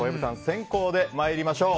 先攻で参りましょう。